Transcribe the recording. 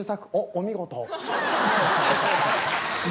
お見事。